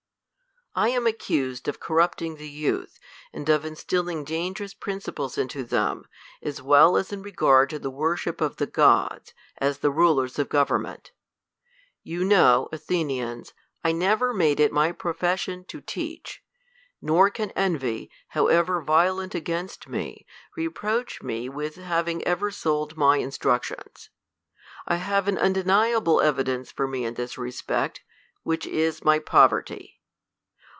I AM accused, of corrupting the youth, and of instill ing dangerous principles into them,, as well in re gard to the worship of the gods, as the rulers of gov ernment. Yau know, Athenians, I never made it my profession to teach ; nor can envy, however violent against me, reproach tne with having ever sold my in structions. I have an \mdeniable evidence for me in this respect, which is my poverty.